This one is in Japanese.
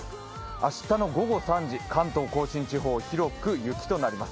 明日の午後３時、関東甲信地方、広く雪となります。